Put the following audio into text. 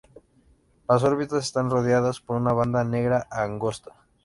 Las órbitas están rodeadas por una banda negra angosta.